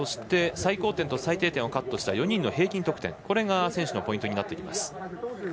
最高点と最低点をカットした４人の平均得点が選手のポイントになってきます。